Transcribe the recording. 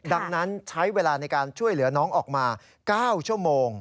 ดังนั้นใช้เวลาในการช่วยเหลือน้องออกมา๙ชั่วโมง